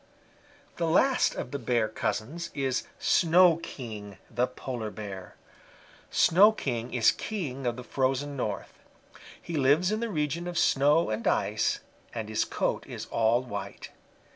"The last of the Bear cousins is Snow King the Polar Bear. Snow King is king of the Frozen North. He lives in the region of snow and ice, and his coat is all white.